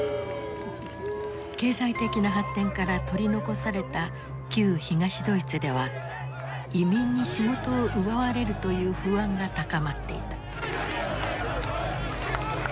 経済的な発展から取り残された旧東ドイツでは移民に仕事を奪われるという不安が高まっていた。